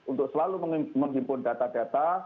untuk selalu menghimpun data data